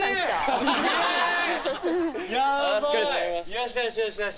よしよしよしよし。